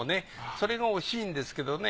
それが惜しいんですけどね。